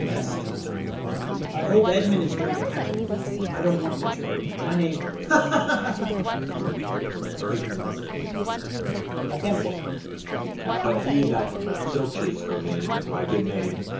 BEST: I hope Edmund is going to catch it. I don't want Richard, my name ... QUAKERLYSTER: (A tempo) But he that filches from me my good name...